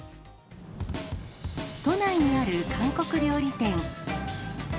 都内にある韓国料理店。